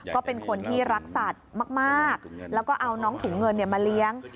ก็เป็นคนที่รักสัตว์มากแล้วก็เอาน้องถุงเงินมาเลี้ยง